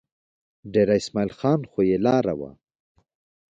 دېره اسمعیل خان خو یې لار وه.